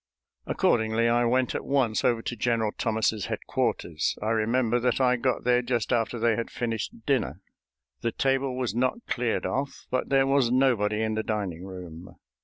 Accordingly, I went at once over to General Thomas's headquarters. I remember that I got there just after they had finished dinner; the table was not cleared off, but there was nobody in the dining room.